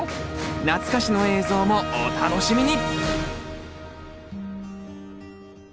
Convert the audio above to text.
懐かしの映像もお楽しみに！